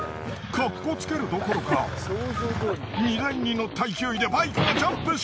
格好つけるどころか荷台に載った勢いでバイクがジャンプし。